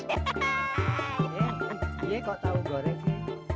iya kok tau goreng sih